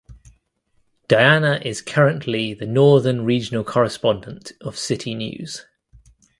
Diana is currently the Northern Regional correspondent of Citi News.